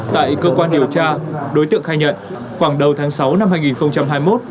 tại cơ quan điều tra đối tượng khai nhận khoảng đầu tháng sáu năm hai nghìn hai mươi một